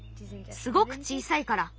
すごく小さいから。